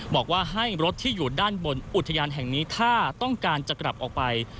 บอกว่าให้รถที่อยู่ด้านบนอุทยานแห่งนี้ถ้าต้องการจะกลับออกไป